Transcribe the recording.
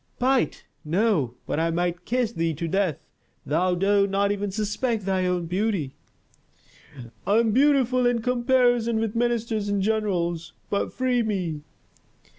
"Bite? No! But I might kiss thee to death. Thou dost not even suspect thy own beauty." "I am beautiful in comparison with ministers and generals. But free me."